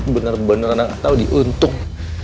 bener bener anak aku tau diuntung